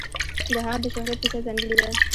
د هغه د شهرت کیسه ځانګړې ده.